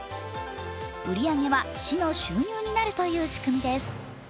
売り上げは市の収入になるという仕組みです。